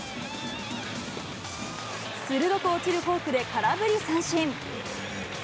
鋭く落ちるフォークで空振り三振。